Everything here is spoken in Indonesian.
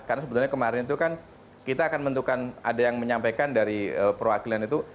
karena sebenarnya kemarin itu kan kita akan menentukan ada yang menyampaikan dari perwakilan itu